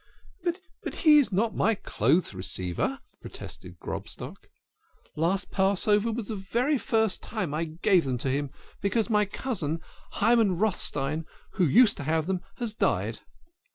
" But he is not my clothes receiver," protested Grobstock. " Last Passover was the first time I gave them to him, be cause my cousin, Hyam Rosenstein, who used to have them, has died."